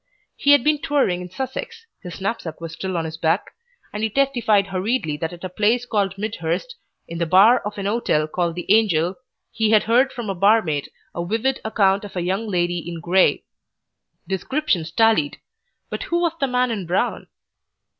He had been touring in Sussex, his knapsack was still on his back, and he testified hurriedly that at a place called Midhurst, in the bar of an hotel called the Angel, he had heard from a barmaid a vivid account of a Young Lady in Grey. Descriptions tallied. But who was the man in brown?